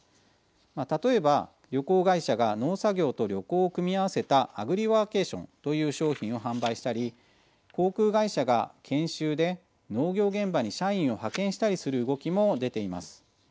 例えば、旅行会社が農作業と旅行を組み合わせたアグリワーケーションという商品を販売したり航空会社が研修で、農業現場に社員を派遣したりする動きも出ています。